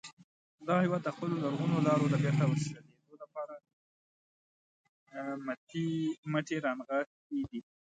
دغه هیواد د خپلو لرغونو لارو د بېرته وصلېدو لپاره مټې را نغښتې دي.